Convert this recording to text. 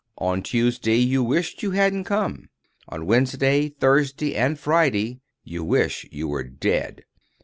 On Tuesday, you wish you hadn't come. On Wednesday, Thursday, and Friday, you wish you were dead.